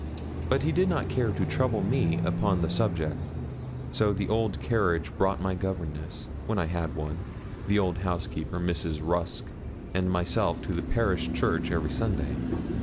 But he did not care to trouble me upon the subject. So the old carriage brought my governess, when I had one, the old housekeeper, Mrs. Rusk, and myself to the parish church every Sunday.